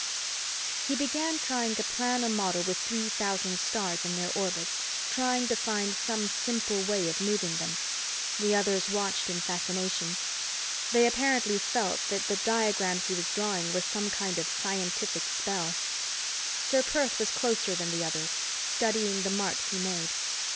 He began trying to plan a model with three thousand stars in their orbits, trying to find some simple way of moving them. The others watched in fascination. They apparently felt that the diagrams he was drawing were some kind of scientific spell. Ser Perth was closer than the others, studying the marks he made.